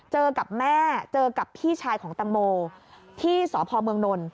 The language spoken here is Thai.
เจอกับแม่เจอกับพี่ชายของตังโมที่สพเมืองนล